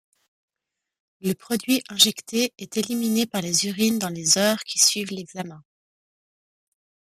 Le produit injecté est éliminé par les urines dans les heures qui suivent l’examen.